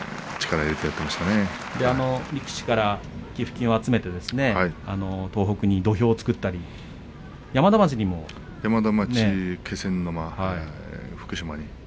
力士から寄付金を集めて東北に土俵を作ったり山田町にも。山田町、気仙沼、福島に。